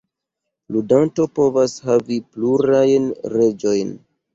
Ludanto povas havi plurajn Reĝojn.